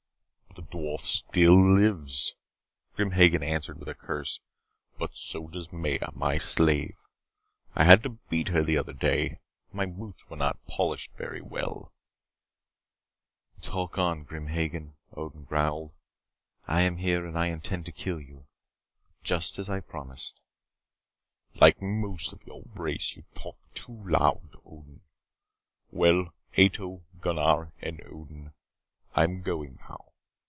"The dwarf still lives," Grim Hagen answered with a curse. "But so does Maya, my slave. I had to beat her the other day. My boots were not polished very well " "Talk on, Grim Hagen," Odin growled. "I am here. And I intend to kill you Just as I promised." "Like most of your race, you talk too loud, Odin. Well, Ato, Gunnar, and Odin, I am going now.